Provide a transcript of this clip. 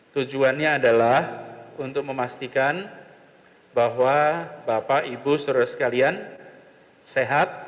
tujuannya adalah untuk memastikan bahwa bapak ibu seluruh sekalian sehat